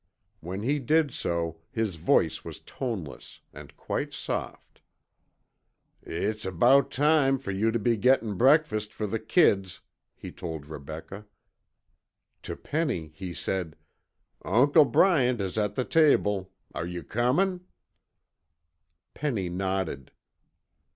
When he did so, his voice was toneless, and quite soft. "It's about time for you to be gettin' breakfast for the kids," he told Rebecca. To Penny he said, "Uncle Bryant is at the table; are you coming?" Penny nodded.